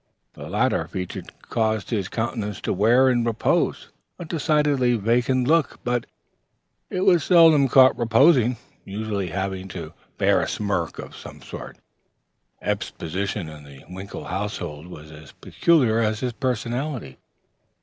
The latter feature caused his countenance to wear in repose a decidedly vacant look, but it was seldom caught reposing, usually having to bear a smirk of some sort. Eph's position in the Winkle household was as peculiar as his personality.